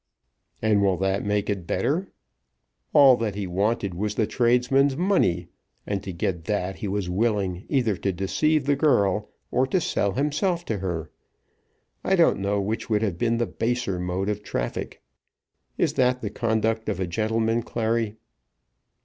"And will that make it better? All that he wanted was the tradesman's money, and to get that he was willing either to deceive the girl, or to sell himself to her. I don't know which would have been the baser mode of traffic. Is that the conduct of a gentleman, Clary?"